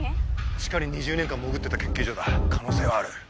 地下に２０年間潜ってた研究所だ可能性はある。